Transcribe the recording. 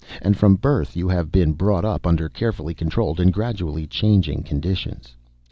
And from birth you have been brought up under carefully controlled and gradually changing conditions.